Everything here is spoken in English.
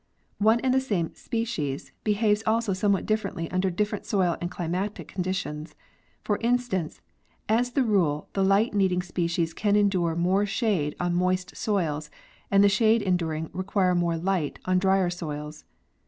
One and the same species behaves also somewhat differently under different soil and climatic conditions; for instance, as a rule the light needing species can endure more shade on moist soils and the shade enduring require more light on drier soils.